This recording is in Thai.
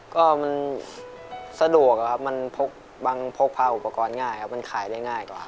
ก็มันสะดวกอะครับมันพกพาอุปกรณ์ง่ายครับมันขายได้ง่ายกว่า